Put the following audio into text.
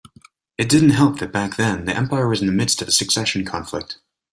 It didn't help that back then the empire was in the midst of a succession conflict.